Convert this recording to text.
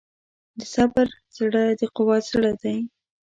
د صبر زړه د قوت زړه دی.